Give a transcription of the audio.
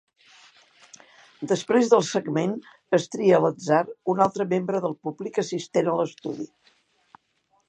Després del segment es tria a l'atzar un altre membre del públic assistent a l'estudi.